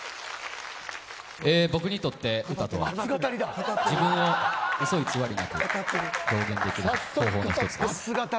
僕にとって歌とは自分を嘘偽りなく表現できる方法の１つです。